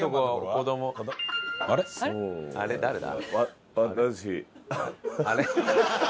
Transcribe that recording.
あれ誰だ？